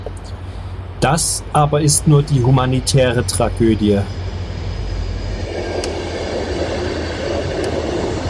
Das aber ist nur die humanitäre Tragödie.